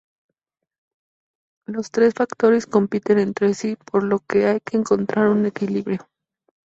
Los tres factores compiten entre sí, por lo que hay que encontrar un equilibrio.